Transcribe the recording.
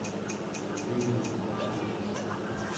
Three women are working in a hospital.